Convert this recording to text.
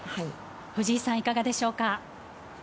藤井さん、いかがでしょうか？